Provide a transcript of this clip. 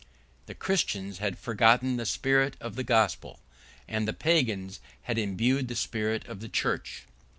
The Christians had forgotten the spirit of the gospel; and the Pagans had imbibed the spirit of the church.